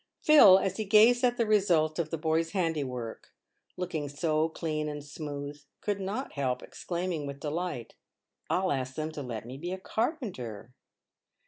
Phil, as he gazed at the result of the boys' handiwork, looking so clean and smooth, could not help exclaiming with delight, " I'll ask them to let me be a carpenter."